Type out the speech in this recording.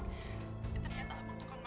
tapi ternyata abang tukang maju